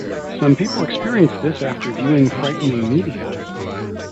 Some people experience this after viewing frightening media.